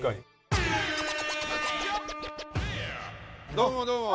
どうもどうも。